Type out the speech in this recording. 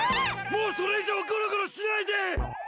もうそれいじょうゴロゴロしないで！